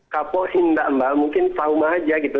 kapok sih enggak mbak mungkin fauma aja gitu